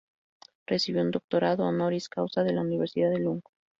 Recibió un doctorado honoris causa de la Universidad de Lund.